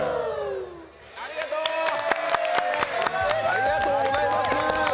ありがとうございます。